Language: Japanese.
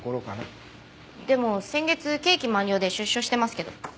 でも先月刑期満了で出所してますけど。